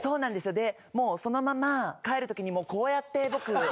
でもうそのまま帰る時にこうやって僕。